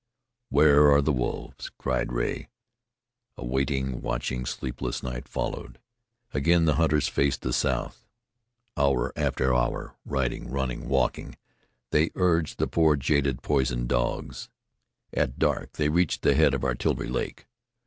where are the wolves?" cried Rea. A waiting, watching, sleepless night followed. Again the hunters faced the south. Hour after hour, riding, running, walking, they urged the poor, jaded, poisoned dogs. At dark they reached the head of Artillery Lake.